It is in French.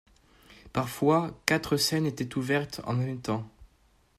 Parfois, quatre scènes étaient ouvertes en même temps.